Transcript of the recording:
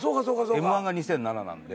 Ｍ−１が２００７なんで。